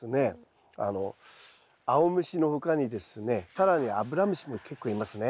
更にアブラムシも結構いますね。